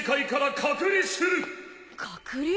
隔離！？